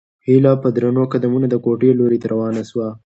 هیله په درنو قدمونو د کوټې لوري ته روانه شوه.